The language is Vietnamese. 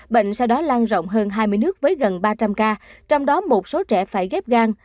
bệnh sau đó lan rộng hơn hai mươi nước với gần ba trăm linh ca trong đó một số trẻ phải ghép gan